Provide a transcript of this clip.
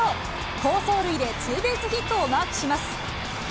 好走塁でツーベースヒットをマークします。